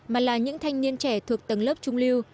mà là những thanh niên trẻ thuộc tầng lớp trung lưu